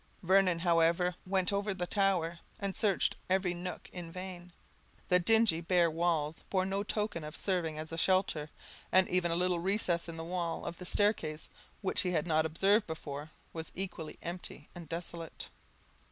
Vernon, however, went over the tower, and searched every nook in vain; the dingy bare walls bore no token of serving as a shelter; and even a little recess in the wall of the staircase, which he had not before observed, was equally empty and desolate.